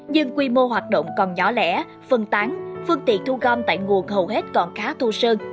nhưng quy mô hoạt động còn nhỏ lẻ phân tán phương tiện thu gom tại nguồn hầu hết còn khá thu sơn